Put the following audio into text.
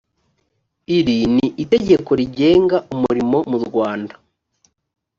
iri ni itegeko rigenga umurimo mu rwanda